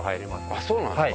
あっそうなんすか。